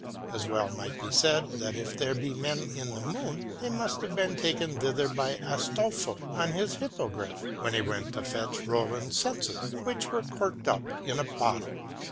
As well might be said that if there be men in the moon they must have been taken thither by Astolpho on his hippogriff, when he went to fetch Roland's senses, which were corked up in a bottle.